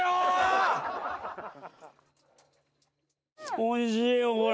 おいしいよこれ。